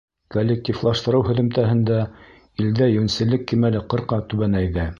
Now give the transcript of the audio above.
Коллективлаштырыу һөҙөмтәһендә илдә йүнселлек кимәле ҡырҡа түбәнәйҙе.